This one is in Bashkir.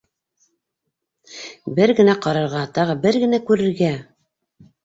Бер генә ҡарарға, тағы бер генә күрергә!